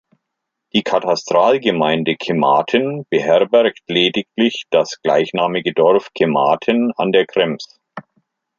Die Katastralgemeinde Kematen beherbergt lediglich das gleichnamige Dorf Kematen an der Krems.